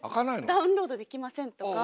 「ダウンロードできません」とか。